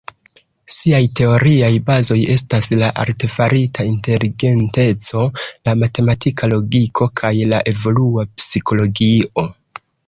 Siaj teoriaj bazoj estas la artefarita inteligenteco, la matematika logiko kaj la evolua psikologio.